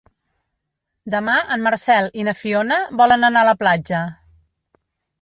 Demà en Marcel i na Fiona volen anar a la platja.